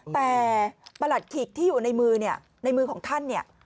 แต่ประหลัดขิกที่อยู่ในมือเนี่ยในมือของท่านเนี่ย